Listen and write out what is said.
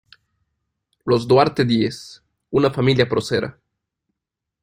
Los Duarte-Díez: una familia procera